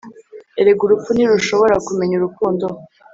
erega urupfu ntirushobora kumenya urukundo